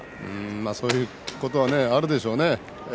そういうことはあるでしょうね。